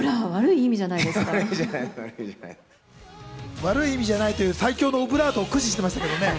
悪い意味じゃないという最強のオブラートを駆使していますけどね。